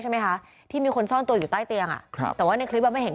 ใช่ไหมคะที่มีคนซ่อนตัวอยู่ใต้เตียงอ่ะครับแต่ว่าในคลิปอ่ะไม่เห็น